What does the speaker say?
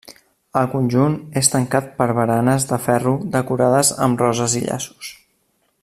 El conjunt és tancat per baranes de ferro decorades amb roses i llaços.